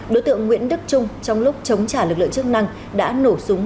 đối tượng nguyễn đức trung trong lúc chống trả lực lượng chức năng đã nổ súng